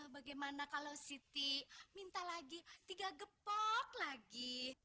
bagaimana kalau siti minta lagi tiga gepok lagi